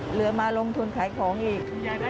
เหลือมาลงทุนขายของอีก